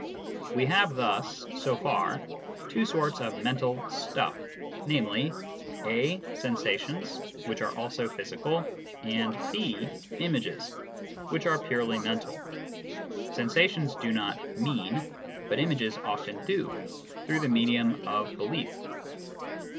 We have thus, so far, two sorts of mental " stuff," namely, (a) sensations, which are also physical, and (b) images, which are purely mental. Sensations do not "mean," but images often do, through the medium of belief.